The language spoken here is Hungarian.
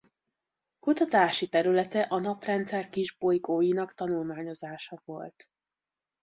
Kutatási területe a Naprendszer kisbolygóinak tanulmányozása volt.